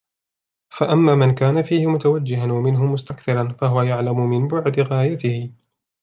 فَأَمَّا مَنْ كَانَ فِيهِ مُتَوَجِّهًا وَمِنْهُ مُسْتَكْثِرًا فَهُوَ يَعْلَمُ مِنْ بُعْدِ غَايَتِهِ